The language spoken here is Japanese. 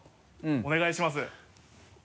お願いします。